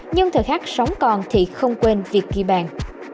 nhưng thời khắc sống còn thì không quên việc ghi bàn